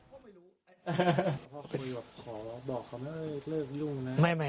พ่อคุยแบบขอบอกเขานะเลิกรุ่งนะ